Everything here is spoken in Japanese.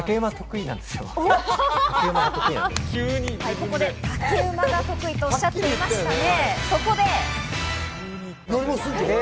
ここで竹馬が得意とおっしゃっていたので。